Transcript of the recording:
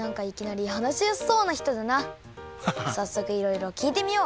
さっそくいろいろきいてみよう！